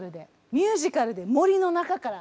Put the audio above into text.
ミュージカルで森の中から。